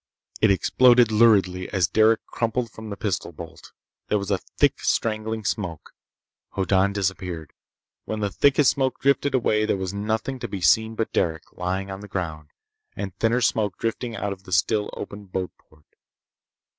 It exploded luridly as Derec crumpled from the pistol bolt. There was thick, strangling smoke. Hoddan disappeared. When the thickest smoke drifted away there was nothing to be seen but Derec, lying on the ground, and thinner smoke drifting out of the still open boatport.